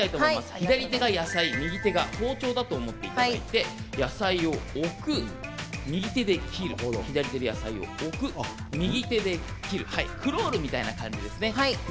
左手で野菜右手で包丁だと思って野菜を置いて右手で切る左手で野菜を置く右手で切るクロールみたいな感じですね。